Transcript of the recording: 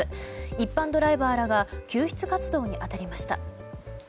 一般ドライバーらが救出活動に当たりました。